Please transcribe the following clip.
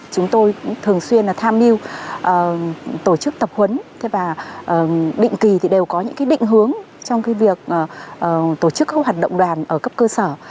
chúng tôi thường xuyên tham mưu tổ chức tập huấn và định kỳ thì đều có những định hướng trong việc tổ chức các hoạt động đoàn ở cấp cơ sở